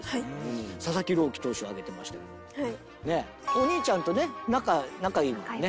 お兄ちゃんとね仲いいんだよね。